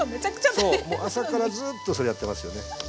そう朝からずっとそれやってますよね。